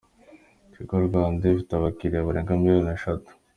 Tigo Rwanda ifite abakiriya barenga miliyoni eshatu.